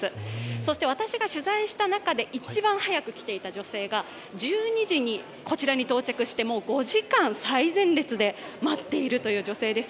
そして私が取材した中で一番早く来ていた女性が１２時にこちらに到着してもう５時間最前列で待っているという女性です。